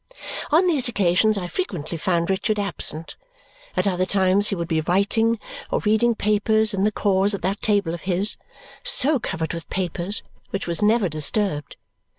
On these occasions I frequently found Richard absent. At other times he would be writing or reading papers in the cause at that table of his, so covered with papers, which was never disturbed.